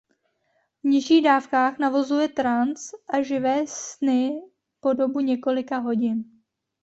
V nižších dávkách navozuje trans a živé sny po dobu několika hodin.